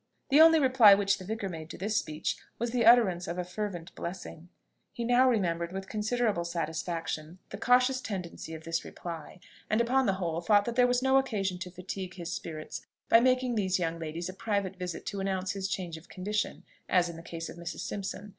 The only reply which the vicar made to this speech was the utterance of a fervent blessing. He now remembered with considerable satisfaction the cautious tendency of this reply, and, upon the whole, thought that there was no occasion to fatigue his spirits by making these young ladies a private visit to announce his change of condition, as in the case of Mrs. Simpson.